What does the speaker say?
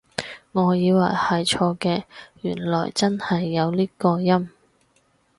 我以為係錯嘅，原來真係有呢個音？